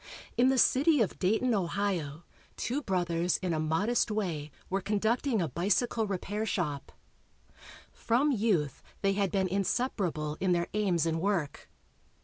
In the city of Dayton, Ohio, two brothers in a modest way were conducting a bicycle repair shop. From youth they had been inseparable in their aims and work.